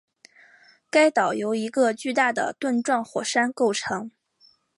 该岛由一个巨大的盾状火山构成